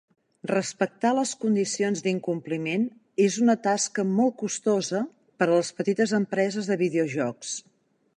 Respectar les condicions d'incompliment és una tasca molt costosa per a les petites empreses de videojocs.